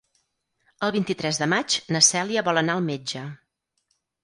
El vint-i-tres de maig na Cèlia vol anar al metge.